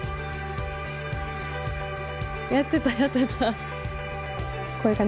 やってたやってた。